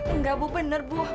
enggak bu bener bu